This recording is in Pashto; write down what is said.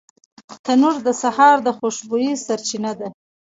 تنور د سهار د خوشبویۍ سرچینه ده